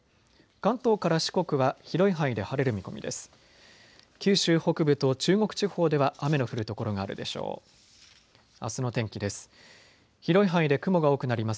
関東から四国は広い範囲で晴れる見込みです。